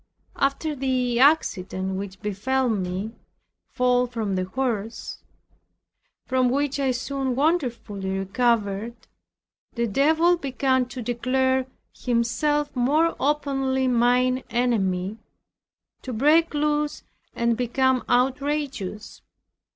After the accident which befell me (fall from the horse) from which I soon wonderfully recovered, the Devil began to declare himself more openly mine enemy, to break loose and become outrageous.